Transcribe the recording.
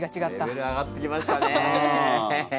レベル上がってきましたね。